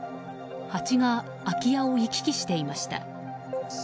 ハチが空き家を行き来していました。